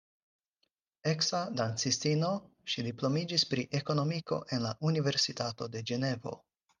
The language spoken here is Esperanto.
Eksa dancistino, ŝi diplomiĝis pri ekonomiko en la Universitato de Ĝenevo.